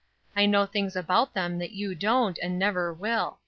"I know things about them that you don't, and never will.